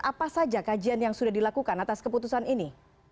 apa saja kajian yang sudah dilakukan atas keputusan ini